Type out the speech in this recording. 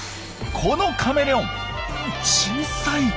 このカメレオン小さい！